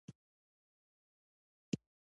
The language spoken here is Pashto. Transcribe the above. • د انګورو تاکونه د نورو ونو ته پورته کېږي.